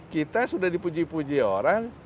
kita sudah dipuji puji orang